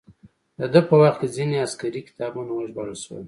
د ده په وخت کې ځینې عسکري کتابونه وژباړل شول.